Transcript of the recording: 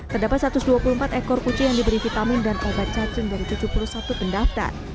terdapat satu ratus dua puluh empat ekor kucing yang diberi vitamin dan obat cacing dari tujuh puluh satu pendaftar